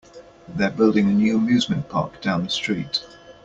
They're building a new amusement park down the street.